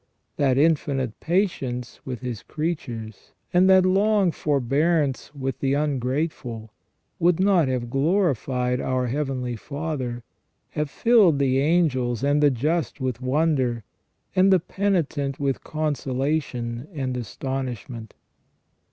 That infinite patience with His creatures, and that long forbearance with the ungrateful, would not have glorified our Heavenly Father, have filled the angels and the just with wonder, and the penitent with consolation and astonishment.